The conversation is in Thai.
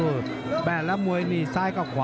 กระหน่าที่น้ำเงินก็มีเสียเอ็นจากอุบลนะครับ